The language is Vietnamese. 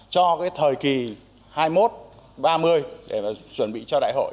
cho cái thời kỳ hai mươi một ba mươi để mà chuẩn bị cho đại hội